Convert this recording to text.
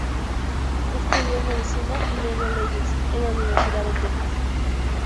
Estudió medicina, y luego leyes en la Universidad de Texas.